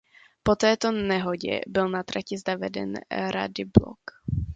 Po této nehodě byl na trati zaveden radiblok.